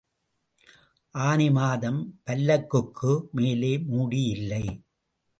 ஆனி மாதம், பல்லக்குக்கு மேலே மூடி இல்லை.